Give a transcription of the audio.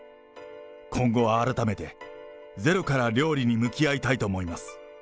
今後は改めて、ゼロから料理に向き合いたいと思います。